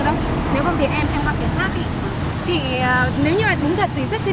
chị không chị không chị không không có nghĩa giải thích được đâu